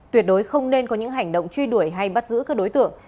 tuyệt đối không nên có những hành động truy đuổi hay bắt giữ các đối tượng